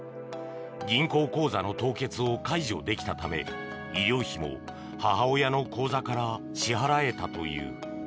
銀行口座の凍結を解除できたため医療費も母親の口座から支払えたという。